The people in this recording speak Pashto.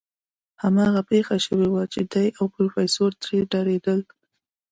هماغه پېښه شوې وه چې دی او پروفيسر ترې ډارېدل.